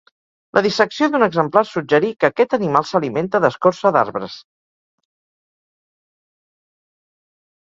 La dissecció d'un exemplar suggerí que aquest animal s'alimenta d'escorça d'arbres.